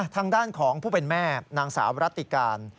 ทางด้านของผู้เป็นแม่นางสาวรัติการ